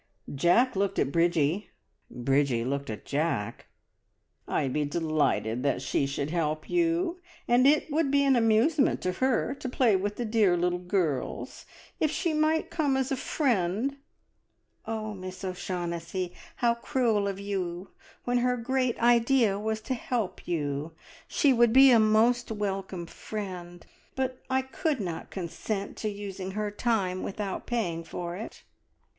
Jack looked at Bridgie; Bridgie looked at Jack. "I'd be delighted that she should help you, and it would be an amusement to her to play with the dear little girls. If she might come as a friend " "Oh, Miss O'Shaughnessy, how cruel of you, when her great idea was to help you! She would be a most welcome friend, but I could not consent to using her time without paying for it."